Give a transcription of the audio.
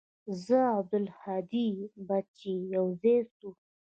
زه او عبدالهادي به چې يوازې سو.